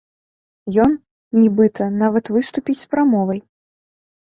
Ён, нібыта, нават выступіць з прамовай.